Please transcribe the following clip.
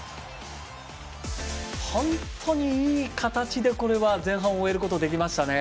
本当にいい形でこれは前半終えることができましたね。